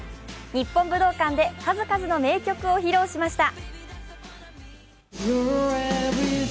日本武道館で数々の名曲を披露しました。